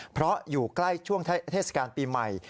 เพราะอยู่ใกล้ช่วงเทศกาลปีใหม่